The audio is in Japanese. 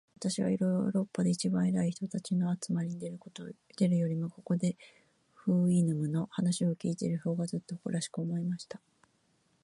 私はヨーロッパで一番偉い人たちの集まりに出るよりも、ここで、フウイヌムの話を開いている方が、ずっと誇らしく思えました。